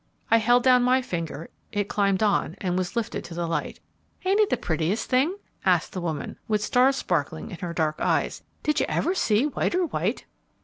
I held down my finger, it climbed on, and was lifted to the light. "Ain't it the prettiest thing?" asked the woman, with stars sparkling in her dark eyes. "Did you ever see whiter white?"